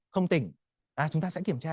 không tỉnh à chúng ta sẽ kiểm tra